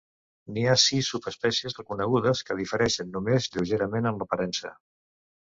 N'hi ha sis subespècies reconegudes, que difereixen només lleugerament en l'aparença.